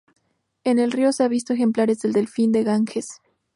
En el río se han visto ejemplares del delfín del Ganges.